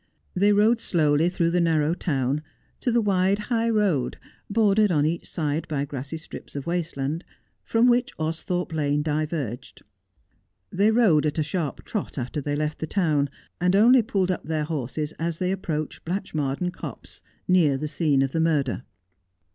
They rode slowly through the narrow town to the wide highroad, bordered on each side by grassy strips of waste land, from which Austhorpe Lane diverged. They rode at a sharp trot after they left the town, and only pulled up their horses as they approached Blatchmardean Copse, near the scene of the murder.